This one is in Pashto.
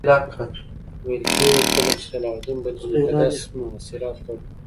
ویل کېږي کله چې صلاح الدین بیت المقدس محاصره کړ.